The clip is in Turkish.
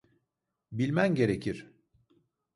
Bilmen gerekir.